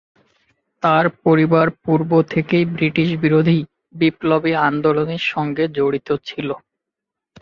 তার পরিবার পূর্ব থেকেই ব্রিটিশ বিরোধী বিপ্লবী আন্দোলনের সঙ্গে জড়িত ছিল।